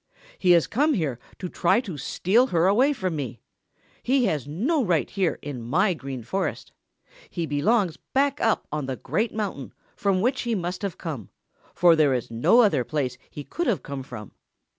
"He has come here to try to steal her away from me. He has no right here in my Green Forest. He belongs back up on the Great Mountain from which he must have come, for there is no other place he could have come from.